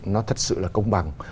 nó thật sự là công bằng